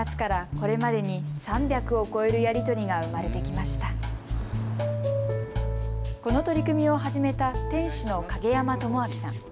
この取り組みを始めた店主の影山知明さん。